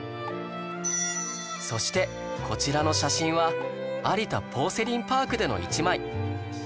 そしてこちらの写真は有田ポーセリンパークでの一枚